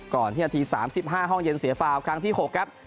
นาที๓๕ห้องเย็นเสียฟาวครั้งที่๖ครับ